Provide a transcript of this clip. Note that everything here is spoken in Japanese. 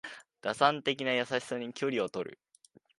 打算的な優しさに距離をとる